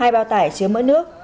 hai bao tải chứa mỡ nước